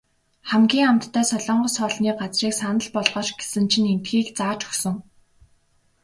Хамгийн амттай солонгос хоолны газрыг санал болгооч гэсэн чинь эндхийг зааж өгсөн.